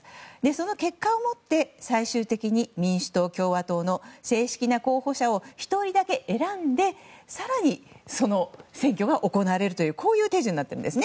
その結果をもって最終的に民主党、共和党の正式な候補者を１人だけ選んで更にその選挙が行われるという手順になっているんです。